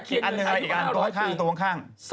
อีกอันตัวข้าง